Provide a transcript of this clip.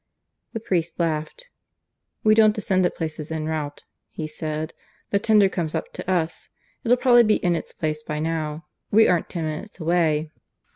The priest laughed. "We don't descend at places en route," he said. "The tender comes up to us. It'll probably be in its place by now. We aren't ten minutes away."